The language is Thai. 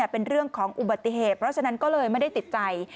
เป็นเรื่องของอุบัติเหตุเพราะฉะนั้นก็เลยไม่ได้ติดใจ